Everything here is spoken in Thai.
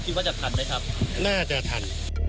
ที่ว่าจะทันแล้วครับน่าจะทัน